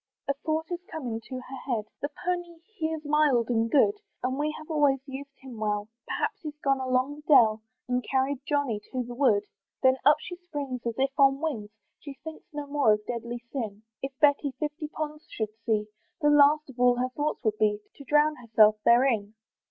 A thought is come into her head; "The pony he is mild and good, "And we have always used him well; "Perhaps he's gone along the dell, "And carried Johnny to the wood." Then up she springs as if on wings; She thinks no more of deadly sin; If Betty fifty ponds should see, The last of all her thoughts would be, To drown herself therein.